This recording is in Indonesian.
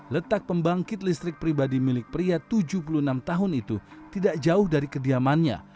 letak pembangkit listrik pribadi milik pria tujuh puluh enam tahun itu tidak jauh dari kediamannya